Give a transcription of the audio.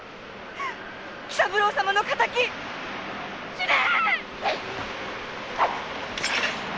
喜三郎様の敵死ね！